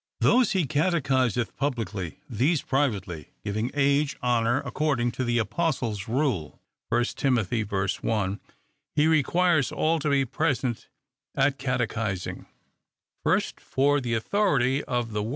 Those he catechiseth publicly ; these privately, giving age honor, according to the apostle's rule (1 Tim. v. 1). — He requires all to be present at catechising : first, for the authority of the 46 THE COUNTRY PARSON.